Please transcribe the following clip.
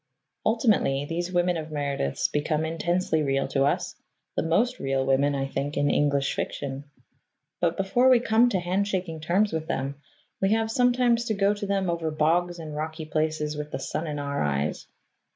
Ultimately, these women of Meredith's become intensely real to us the most real women, I think, in English fiction but, before we come to handshaking terms with them, we have sometimes to go to them over bogs and rocky places with the sun in our eyes.